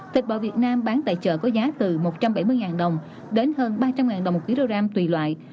thịt bò việt nam bán tại chợ có giá từ một trăm bảy mươi đồng đến hơn ba trăm linh đồng một kg tùy loại